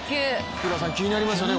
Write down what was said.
福田さん、気になりますよね